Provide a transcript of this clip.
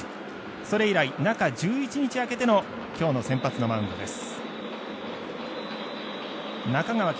それ以来、中１１日空けての今日の先発のマウンドです。